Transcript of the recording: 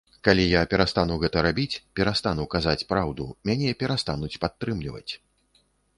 Калі я перастану гэта рабіць, перастану казаць праўду, мяне перастануць падтрымліваць.